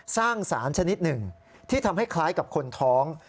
สร้างสารชนิดหนึ่งที่ทำให้คล้ายกับคนท้อง